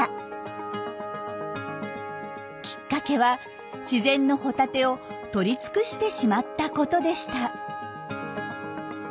きっかけは自然のホタテをとり尽くしてしまったことでした。